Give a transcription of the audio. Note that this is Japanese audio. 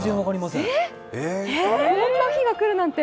こんな日が来るなんて。